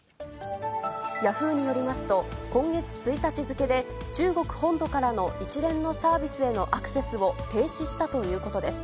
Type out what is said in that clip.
ヤフーによりますと、今月１日付で、中国本土からの一連のサービスへのアクセスを停止したということです。